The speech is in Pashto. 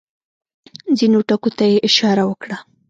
ځینو ټکو ته یې اشاره وکړه.